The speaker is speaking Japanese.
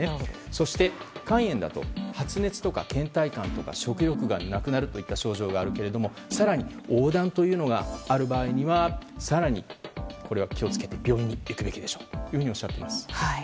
そして、肝炎だと発熱とか倦怠感とか食欲がなくなるといった症状があるけども更に黄疸というのがある場合には更に、気を付けて病院に行くべきとおっしゃっています。